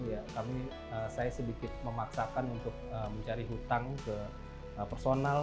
ya kami saya sedikit memaksakan untuk mencari hutang ke personal